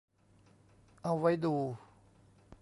เอาไว้ดู